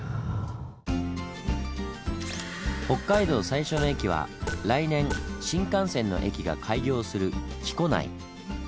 最初の駅は来年新幹線の駅が開業する木古内。